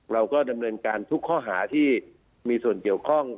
เราก็ดำเนินการทุกข้อหาที่มีส่วนเกี่ยวข้อง